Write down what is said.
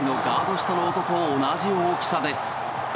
下の音と同じ大きさです。